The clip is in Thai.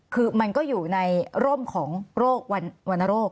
คือมันก็อยู่ในร่มของโรควรรณโรค